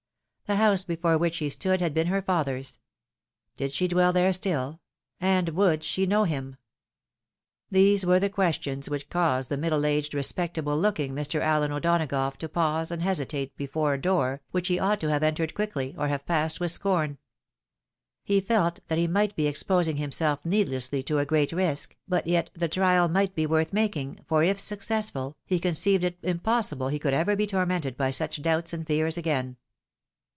The house before which he stood had been her father's. Did she dwell there still? And would she know him? These were the questions which caused the middle aged, respectable looking, Mr. Allen O'Donagough to pause and hesitate before a door, which he ought to have entered quickly, or have passed with scorn. He felt that he might be exposing himself needlessly to a great risk, but yet the trial might be worth making, for, if successful, he conceived it impossible he could ever be tormented by such doubts and feaTs again.